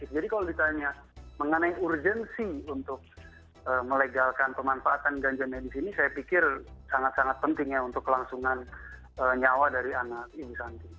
jadi kalau ditanya mengenai urgensi untuk melegalkan pemanfaatan ganja medis ini saya pikir sangat sangat penting ya untuk kelangsungan nyawa dari anak ibu santi